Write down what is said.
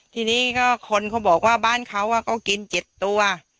ทีนี้ก็คนเขาบอกว่าบ้านเขาก็กิน๗ตัว